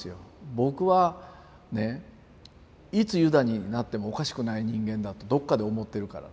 僕はいつユダになってもおかしくない人間だとどっかで思ってるからなんですね。